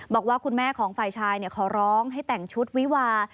บอกว่าคุณแม่ของฝ่ายชายขอร้องให้แต่งชุดวิวา